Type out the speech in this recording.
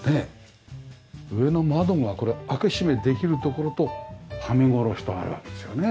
上の窓がこれ開け閉めできる所とはめ殺しとあるわけですよね。